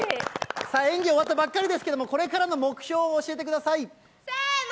演技終わったばっかりですけれども、これからの目標を教えてくだせーの！